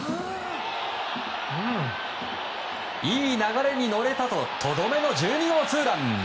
良い流れに乗れたととどめの１２号ツーラン！